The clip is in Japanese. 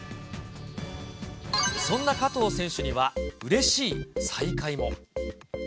そんな加藤選手には、うれしい再会も。